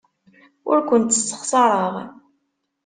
Ur kent-ssexṣareɣ.